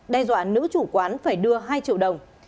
đe dọa nữ chủ quán phải đưa hai triệu đồng